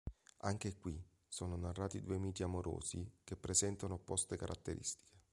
Anche qui sono narrati due miti amorosi che presentano opposte caratteristiche.